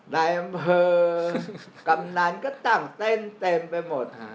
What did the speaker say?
นายอำเภอกำนันก็ต่างเต้นเต็มไปหมดฮะ